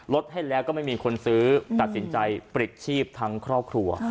ลดให้แล้วก็ไม่มีคนซื้อตัดสินใจปลิดชีพทั้งครอบครัว